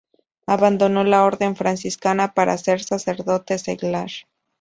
Abandonó la orden franciscana para ser sacerdote seglar.